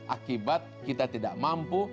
akibat kita tidak mampu